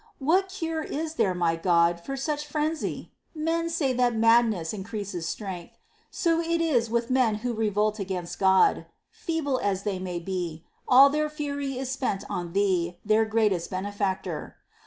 2. What cure is there, my God, for such frenzy ? Men say that madness increases strength. So it is with men who revolt against God : feeble as they may be, all their fury is spent on Thee, their greatest Benefactor.